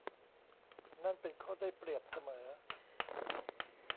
นั่นเป็นข้อได้เปรียบเสมอ